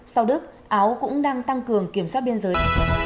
sau đức áo cũng đang tăng cường kiểm soát biên giới